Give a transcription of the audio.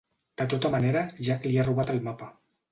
De tota manera, Jack li ha robat el mapa.